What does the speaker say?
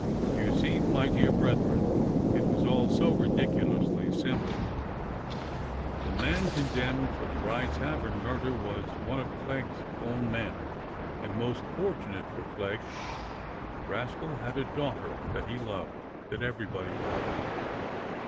You see, my dear brethren, it was all so ridiculously simple. The man condemned for the Rye tavern murder was one of Clegg's own men, and, most fortunate for Clegg, the rascal had a daughter that he loved — that everybody loved.